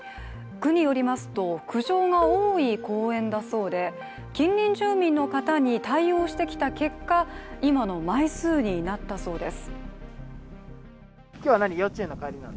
区によりますと苦情が多い公園だそうで近隣住民の方に対応してきた結果今の枚数になったそうです。